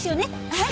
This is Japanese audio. はい。